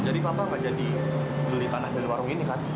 jadi bapak enggak jadi beli tanah dan warung ini kan